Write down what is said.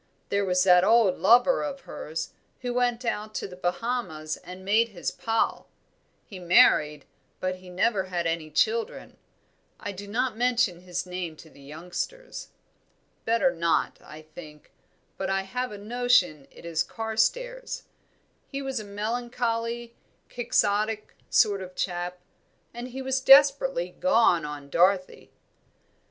"There was that old lover of hers, who went out to the Bahamas and made his pile he married, but he never had any children; I do not mention his name to the youngsters better not, I think; but I have a notion it is Carstairs; he was a melancholy, Quixotic sort of chap, and he was desperately gone on Dorothy."